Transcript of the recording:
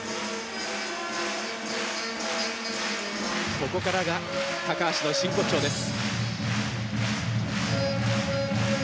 ここからが橋の真骨頂です。